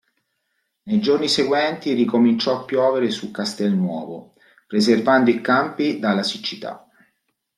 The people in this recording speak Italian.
Nei giorni seguenti ricominciò a piovere su Castel Nuovo preservando i campi dalla siccità.